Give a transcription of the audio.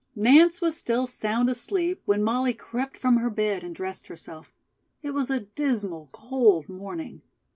Nance was still sound asleep when Molly crept from her bed and dressed herself. It was a dismal cold morning.